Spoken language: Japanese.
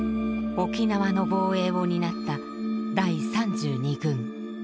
沖縄の防衛を担った第３２軍。